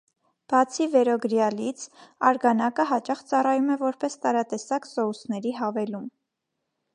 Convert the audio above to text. Բացի վերոգրյալից՝ արգանակը հաժախ ծառայում է որպես տարատեսակ սոուսների հավելում։